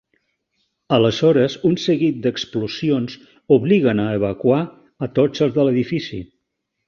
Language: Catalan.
Aleshores un seguit d'explosions, obliguen a evacuar a tots els de l'edifici.